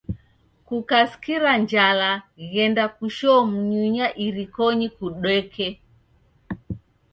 Kukaskira njala ghenda kushoo Munyunya irikonyi kudoke.